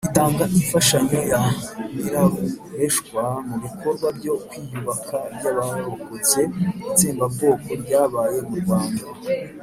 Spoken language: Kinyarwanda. itanga imfashanyo ya nyirarureshwa mu bikorwa byo kwiyubaka by'abarokotse itsembabwoko ryabaye mu rwanda.